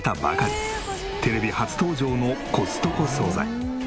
テレビ初登場のコストコ総菜。